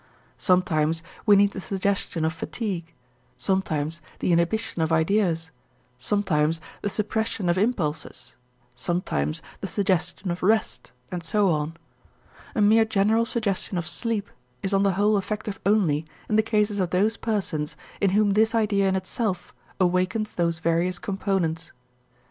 Sometimes we need the suggestion of fatigue, sometimes the inhibition of ideas, sometimes the suppression of impulses, sometimes the suggestion of rest, and so on. A mere general suggestion of sleep is on the whole effective only in the cases of those persons in whom this idea in itself awakens those various components.